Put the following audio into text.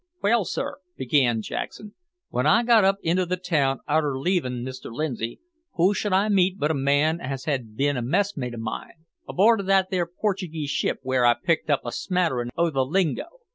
"Well, sir," began Jackson, "w'en I got up into the town, arter leavin' Mr Lindsay, who should I meet but a man as had bin a messmate o' mine aboard of that there Portuguese ship w'ere I picked up a smatterin' o' the lingo?